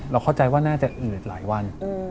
เข้าใจว่าน่าจะอืดหลายวัน